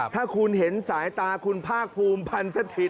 ถ้าคุณเห็นสายตาคุณภาคภูมิพันธ์สถิต